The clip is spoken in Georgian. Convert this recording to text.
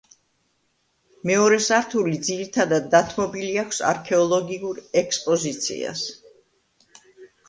მეორე სართული ძირითადად დათმობილი აქვს არქეოლოგიურ ექსპოზიციას.